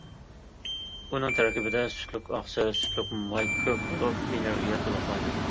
ئۇنىڭ تەركىبىدە سۈتلۈك ئاقسىل، سۈتلۈك ماي كۆپ بولۇپ، ئېنېرگىيە تولۇقلايدۇ.